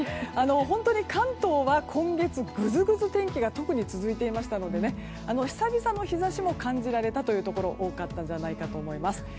本当に関東は今月、ぐずぐず天気が特に続いていましたので久々の日差しも感じられたというところ多かったんじゃないかと思います。